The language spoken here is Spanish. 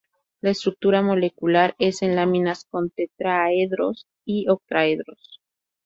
La estructura molecular es en láminas con tetraedros y octaedros.